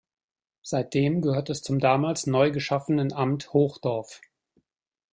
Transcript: Seitdem gehört es zum damals neu geschaffenen Amt Hochdorf.